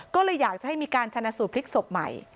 ก็เลยอยากจะให้มีการชนะสูตรพลิกศพใหม่